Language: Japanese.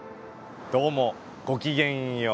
どうもごきげんよう。